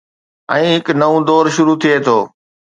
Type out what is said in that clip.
۽ هڪ نئون دور شروع ٿئي ٿو.